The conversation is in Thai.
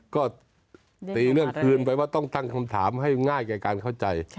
ก็ตีเรื่องคืนไปว่าต้องตั้งคำถามให้ง่ายแก่การเข้าใจ